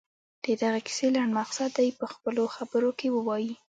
د دغې کیسې لنډ مقصد دې په خپلو خبرو کې ووايي.